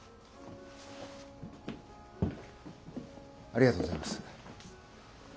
ありがとうございます。